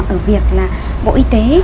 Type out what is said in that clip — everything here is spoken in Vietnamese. ở việc bộ y tế